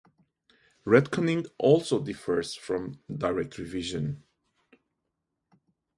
Retconning also differs from direct revision.